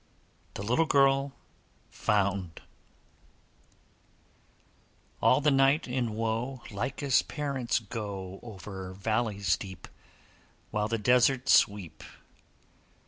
THE LITTLE GIRL FOUND All the night in woe Lyca's parents go Over valleys deep, While the deserts weep.